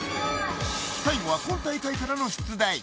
最後は今大会からの出題。